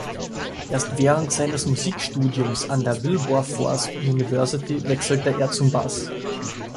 Erst während seines Musikstudiums an der Wilberforce University wechselte er zum Bass.